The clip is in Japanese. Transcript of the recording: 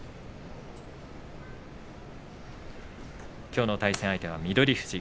きょうの対戦相手は翠富士